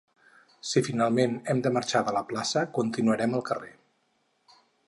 Si finalment hem de marxar de la plaça, continuarem al carrer.